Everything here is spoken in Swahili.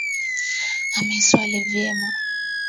Amewasili vyema.